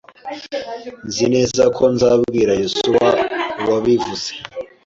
Nzi neza ko nzabwira Yosuwa wabivuze.